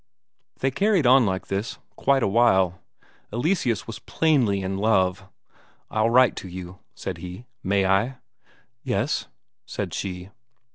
They carried on like this quite a while; Eleseus was plainly in love. "I'll write to you," said he. "May I?" "Yes," said she.